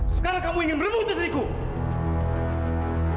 sekarang kamu ingin berikut